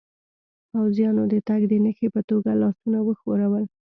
پوځیانو د تګ د نښې په توګه لاسونه و ښورول.